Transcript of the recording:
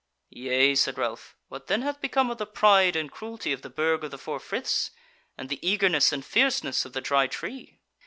"Yea," said Ralph, "what then hath become of the pride and cruelty of the Burg of the Four Friths, and the eagerness and fierceness of the Dry Tree?"